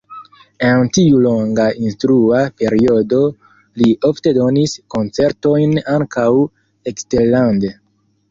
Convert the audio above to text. En tiu longa instrua periodo li ofte donis koncertojn ankaŭ eksterlande.